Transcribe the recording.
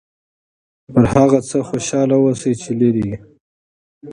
پر هغه څه خوشحاله اوسه چې لرې یې.